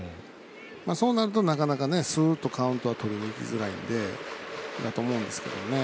そうなると、なかなかすーっとカウントはとりづらいと思うんですけど。